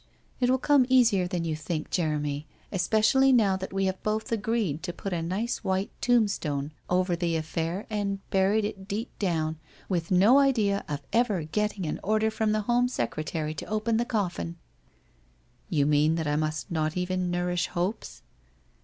It will come easier than you think, Jeremy, especially, now that we have both agreed to put a nice white tombstone over the affair and buried it deep down, with no idea of ever getting an order from the Home Secretary to open the coffin '' You mean that I must not even nourish hopes